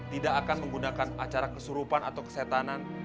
tidak akan menggunakan acara kesurupan atau kesetanan